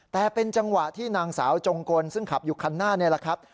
แต่เป็นจังหวะที่นางสาวจงกลซึ่งขับอยู่คันหน้านี่แหละครับ